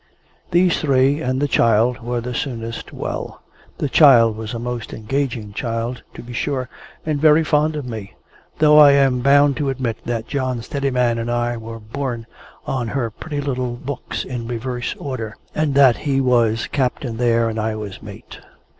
These three and the child were the soonest well. The child was a most engaging child, to be sure, and very fond of me: though I am bound to admit that John Steadiman and I were borne on her pretty little books in reverse order, and that he was captain there, and I was mate.